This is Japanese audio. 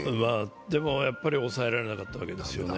でも、やっぱり抑えられなかったわけですよね。